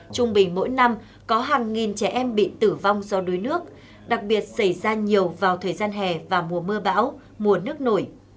trung bình mỗi năm có hàng nghìn trẻ em bị tử vong do đuối nước đặc biệt xảy ra nhiều vào thời gian hè và mùa mưa bão mùa nước nổi